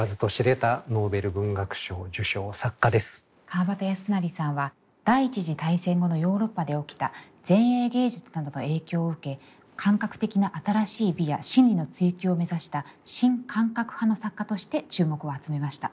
川端康成さんは第１次大戦後のヨーロッパで起きた前衛芸術などの影響を受け感覚的な新しい美や心理の追求を目指した新感覚派の作家として注目を集めました。